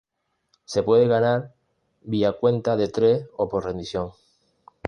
Se puede ganar vía cuenta de tres o por rendición.